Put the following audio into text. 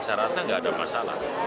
saya rasa tidak ada masalah